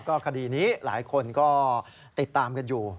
คดีนี้หลายคนก็ติดตามกันอยู่